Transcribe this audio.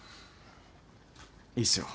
いいっすよ。